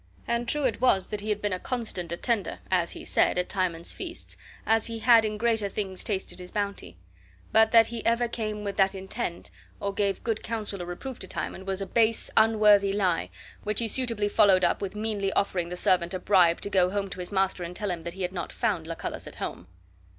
And true it was that he had been a constant attender (as he said) at Timon's feasts, as he had in greater things tasted his bounty; but that he ever came with that intent, or gave good counsel or reproof to Timon, was a base, unworthy lie, which he suitably followed up with meanly offering the servant a bribe to go home to his master and tell him that be had not found Lucullus at home.